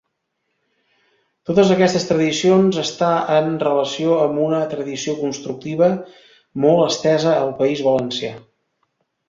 Totes aquestes tradicions està en relació amb una tradició constructiva molt estesa al País Valencià.